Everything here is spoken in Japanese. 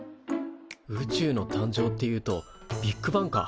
宇宙の誕生っていうとビッグバンか。